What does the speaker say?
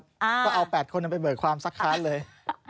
ก็เอาแปดคนนั้นไปเมินความสารเราเลย